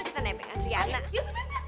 kewain iban dan layani kita